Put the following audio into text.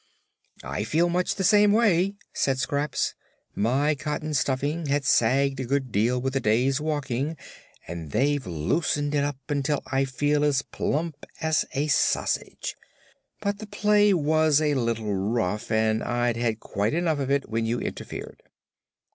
"I feel much the same way," said Scraps. "My cotton stuffing had sagged a good deal with the day's walking and they've loosened it up until I feel as plump as a sausage. But the play was a little rough and I'd had quite enough of it when you interfered."